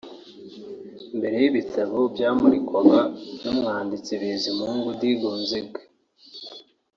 Imbere y’ibitabo byamurikwaga n’umwanditsi Bizimungu de Gonzague